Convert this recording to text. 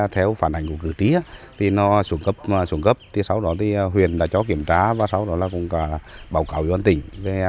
theo phản ảnh của cử tí nó xuống cấp xuống cấp sau đó huyện đã cho kiểm tra và sau đó báo cáo cho bản tỉnh